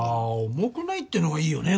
重くないってのがいいよね